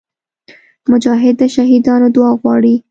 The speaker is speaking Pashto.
مجاهد د شهیدانو دعا غواړي.